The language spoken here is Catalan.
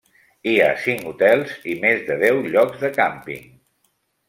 Hi ha cinc hotels i més de deu llocs de càmping.